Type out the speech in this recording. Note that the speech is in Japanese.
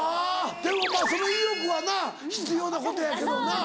でもまぁその意欲はな必要なことやけどな。